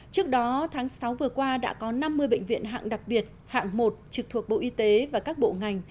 trước đó tháng sáu vừa qua đã có năm mươi bệnh viện hạng đặc biệt hạng một trực thuộc bộ y tế và các bộ ngành